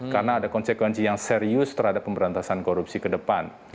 karena ada konsekuensi yang serius terhadap pemberantasan korupsi ke depan